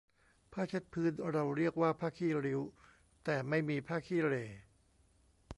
ผ้าเช็ดพื้นเราเรียกว่าผ้าขี้ริ้ว แต่ไม่มีผ้าขี้เหร่